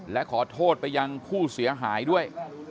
และขอโทษไปยังผู้เสียหายด้วย